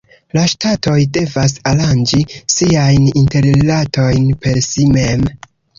La ŝtatoj devas aranĝi siajn interrilatojn per si mem.